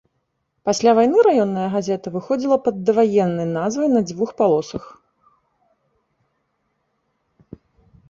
Пасля вайны раённая газета выходзіла пад даваеннай назвай на дзвюх палосах.